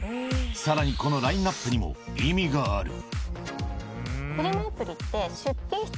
さらにこのラインナップにも意味がある。